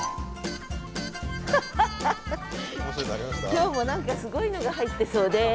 今日も何かすごいのが入ってそうです。